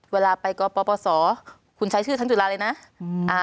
เวลาไปก็ปปสคุณใช้ชื่อทั้งจุลาเลยนะ